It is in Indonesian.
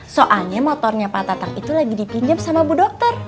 soalnya motornya pak tatang itu lagi dipinjam sama bu dokter